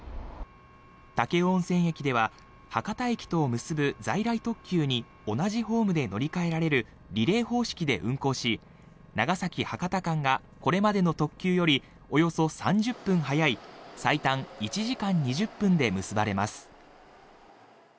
武雄温泉駅では博多駅とを結ぶ在来特急に同じホームで乗り換えられるリレー方式で運行し長崎博多間がこれまでの特急よりおよそ３０分早い最短１時間２０分で結ばれます。